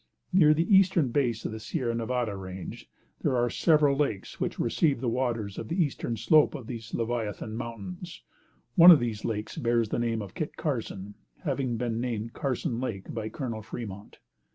Near the eastern base of the Sierra Nevada range there are several lakes which receive the waters of the eastern slope of these leviathan mountains. One of these lakes bears the name of Kit Carson, having been named Carson Lake by Colonel Fremont.